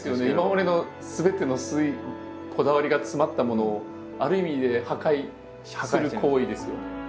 今までのすべてのこだわりが詰まったものをある意味で破壊ですね。